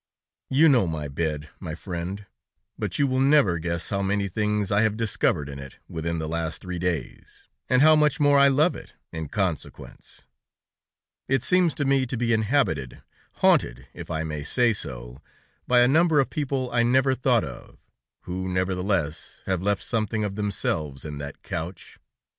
"You know my bed, my friend, but you will never guess how many things I have discovered in it within the last three days, and how much more I love it, in consequence. It seems to me to be inhabited, haunted, if I may say so, by a number of people I never thought of, who, nevertheless, have left something of themselves in that couch.